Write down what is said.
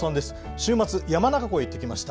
週末に山中湖に行ってきました。